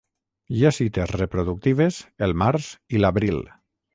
Hi ha cites reproductives el març i l'abril.